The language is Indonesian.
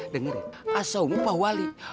dengar asaum upah wali